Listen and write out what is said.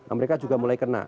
amerika juga mulai kena